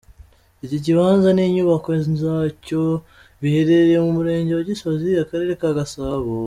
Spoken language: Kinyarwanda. Iki kibanza n’inyubako zacyo biherereye mu Murenge wa Gisozi, Akarere ka Gasabo.